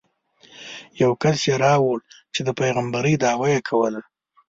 یو کس یې راوړ چې د پېغمبرۍ دعوه یې کوله.